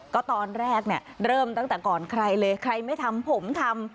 ก็ตอนแรกเนี่ยเริ่มตั้งแต่ก่อนใครเลยใครไม่ทำผมทำ